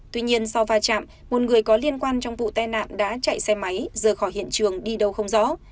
tuy nhiên sau va chạm một người có liên quan trong vụ tai nạn đã chạy xe máy rời khỏi hiện trường đi đâu không rõ